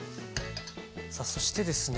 さあそしてですね